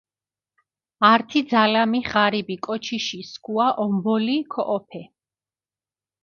ართი ძალამი ღარიბი კოჩიში სქუა ომბოლი ქოჸოფე.